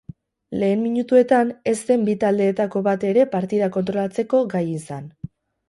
Lehen minutuetan ez zen bi taldeetako bat ere partida kontrolatzeko gai izan.